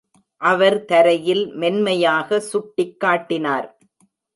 அவர் தரையில் மென்மையாக சுட்டிக்காட்டினார்.